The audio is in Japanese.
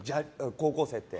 高校生って。